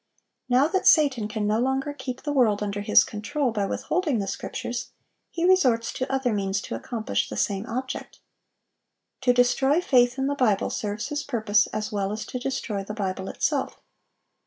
Now that Satan can no longer keep the world under his control by withholding the Scriptures, he resorts to other means to accomplish the same object. To destroy faith in the Bible serves his purpose as well as to destroy the Bible itself.